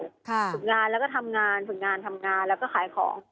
ฝึกงานแล้วก็ทำงานฝึกงานทำงานแล้วก็ขายของ